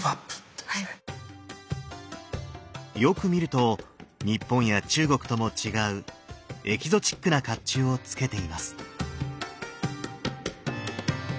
よく見ると日本や中国とも違うエキゾチックな甲冑をつけています。